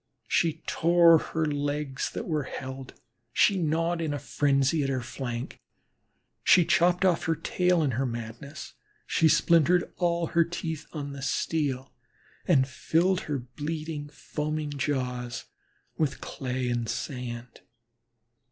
She tore her legs that were held; she gnawed in frenzy at her flank, she chopped off her tail in her madness; she splintered all her teeth on the steel, and filled her bleeding, foaming jaws with clay and sand.